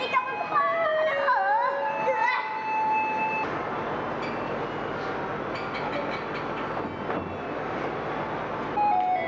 kayak anak kecil aja